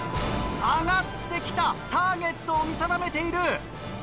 上がって来たターゲットを見定めている。